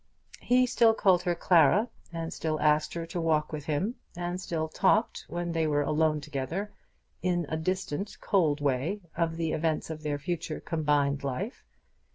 He still called her Clara, and still asked her to walk with him, and still talked, when they were alone together, in a distant cold way, of the events of their future combined life.